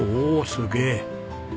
おおすげえ。